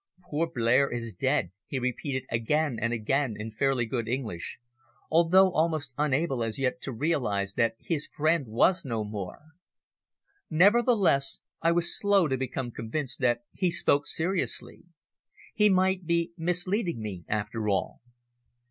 "Poor Blair is dead!" he repeated again and again in fairly good English, as though almost unable as yet to realise that his friend was no more. Nevertheless, I was slow to become convinced that he spoke seriously. He might be misleading me, after all.